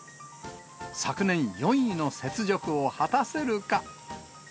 昨年４位の雪辱を果たせるか。